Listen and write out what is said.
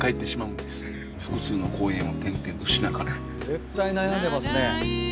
絶対悩んでますね。